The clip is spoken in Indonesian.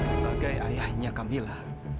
sebagai ayahnya kamila